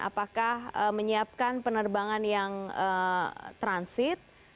apakah menyiapkan penerbangan yang transit